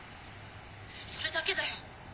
それだけだよ」。